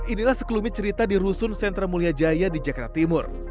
inilah sekelumit cerita di rusun sentra mulia jaya di jakarta timur